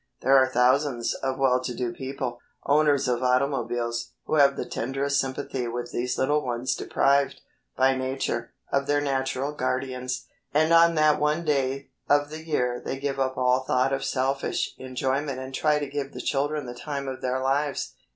There are thousands of well to do people, owners of automobiles, who have the tenderest sympathy with these little ones deprived, by nature, of their natural guardians, and on that one day of the year they give up all thought of selfish enjoyment and try to give the children the time of their lives.